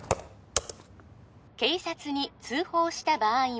警察に通報した場合は